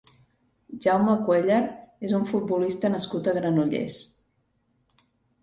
Jaume Cuéllar és un futbolista nascut a Granollers.